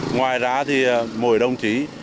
ngoài ra thì mỗi đồng chí